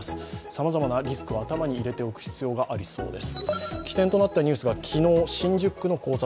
さまざまなリスクを頭に入れておく必要がありそうです。